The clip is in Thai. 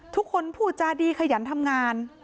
ทุกคนผู้จาดีขยันทำงาน